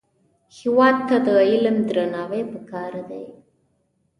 هېواد ته د علم درناوی پکار دی